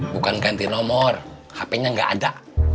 bukan ganti nomor hp nya nggak ada